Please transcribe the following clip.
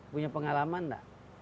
punya pengalaman gak